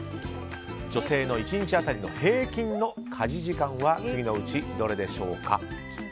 女性の１日当たりの平均の家事時間は次のうちどれでしょうか。